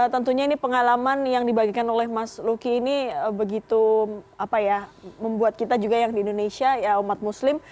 tentunya ini pengalaman yang dibagikan oleh mas luki ini begitu membuat kita juga yang di indonesia ya umat muslim